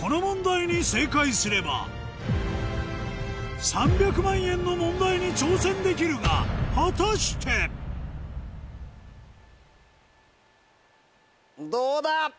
この問題に正解すれば３００万円の問題に挑戦できるが果たして⁉どうだ？